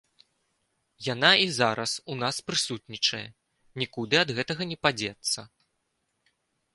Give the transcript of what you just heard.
Яна і зараз у нас прысутнічае, нікуды ад гэтага не падзецца.